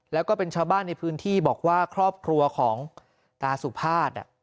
แล้วก็เป็นชาวบ้านในพื้นที่บอกว่าครอบครัวของตาสุภาษณ์